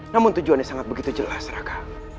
namun tujuannya sangat begitu jelas raka